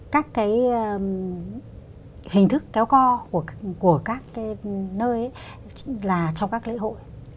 các cái hình thức kéo co của các cái nơi là trong các lễ hội